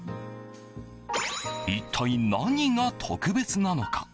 一体何が特別なのか。